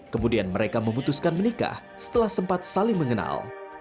kemudian mereka memutuskan menikah setelah sempat saling mengenal